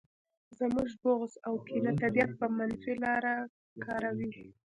زموږ بغض او کینه طبیعت په منفي لاره کاروي